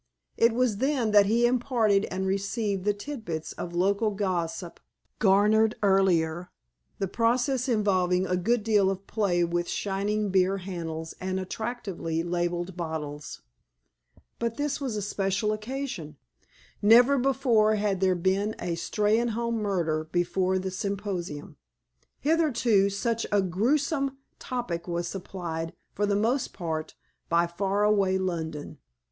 It was then that he imparted and received the tit bits of local gossip garnered earlier, the process involving a good deal of play with shining beer handles and attractively labeled bottles. But this was a special occasion. Never before had there been a Steynholme murder before the symposium. Hitherto, such a grewsome topic was supplied, for the most part, by faraway London.